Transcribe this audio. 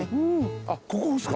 あっここですか？